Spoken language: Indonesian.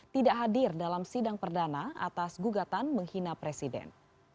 tidak hadir dalam sidang perdana atas gugatan menghina presiden